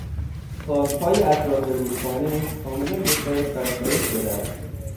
خاکهای اطراف رودخانه کاملا دچار فرسایش شده است.